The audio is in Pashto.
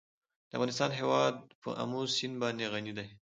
د افغانستان هیواد په آمو سیند باندې غني دی.